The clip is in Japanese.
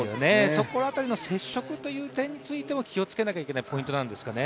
その辺りの接触という部分も気をつけなきゃいけないポイントなんですかね？